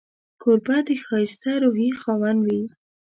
کوربه د ښایسته روحيې خاوند وي.